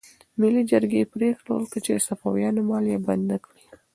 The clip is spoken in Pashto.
ملي جرګې پریکړه وکړه چې د صفویانو مالیه بنده کړي.